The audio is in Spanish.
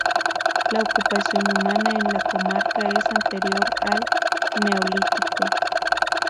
La ocupación humana en la comarca es anterior al neolítico.